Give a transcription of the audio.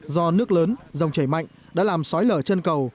do nước lớn dòng chảy mạnh đã làm xói lở chân cầu